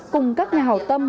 cùng các nhà hảo tâm